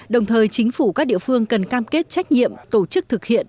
đồng thời chính phủ các địa phương cần cam kết trách nhiệm tổ chức thực hiện